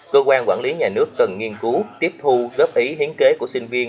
cơ quan quản lý nhà nước cần nghiên cứu tiếp thu góp ý hiến kế của sinh viên